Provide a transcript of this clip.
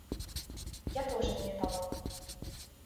Я тоже не эталон.